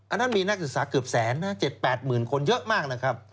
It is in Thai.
อันนั้นมีนักศึกษาเกือบแสนนะ๗๘หมื่นคนเยอะมากนะครับ